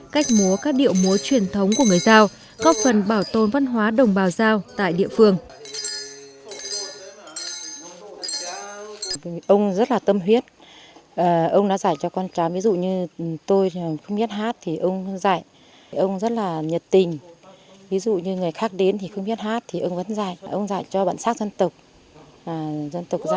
cách múa các điệu múa truyền thống của người giao có phần bảo tồn văn hóa đồng bào giao tại địa phương